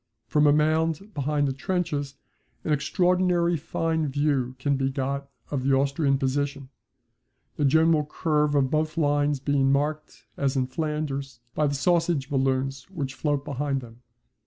From a mound behind the trenches an extraordinary fine view can be got of the Austrian position, the general curve of both lines being marked, as in Flanders, by the sausage balloons which float behind them.